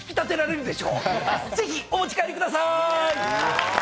ぜひお持ち帰りくださーい。